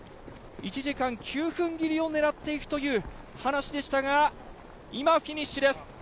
１時間９分切りを狙っていくという話でしたが今、フィニッシュです